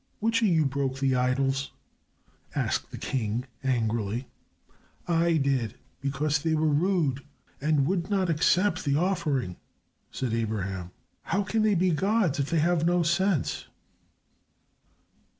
"Which of you broke the idols?" asked the king, angrily. "I did, because they were rude and would not accept the offering," said Abraham. "How can they be gods if they have no sense?"